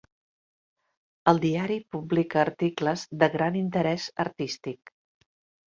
El diari publica articles de gran interès artístic.